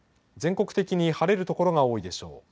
全国的に晴れる所が多いでしょう。